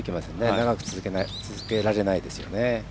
長く続けられないですよね。